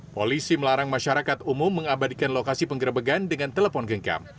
polisi melarang masyarakat umum mengabadikan lokasi penggerebekan dengan telepon genggam